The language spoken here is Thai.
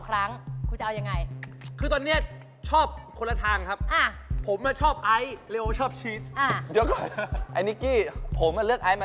ตรงนี้คุณจะเอาอะไรคุณเลือกมา